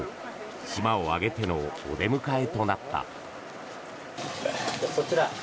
島を挙げてのお出迎えとなった。